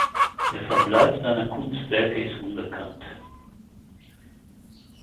Der Verbleib seiner Kunstwerke ist unbekannt.